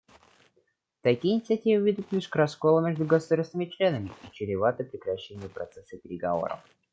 Такие инициативы ведут лишь к расколу между государствами-членами и чреваты прекращением процесса переговоров.